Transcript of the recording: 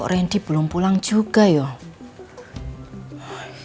kok rendy belum pulang juga yuk